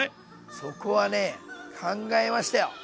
そこはね考えましたよ。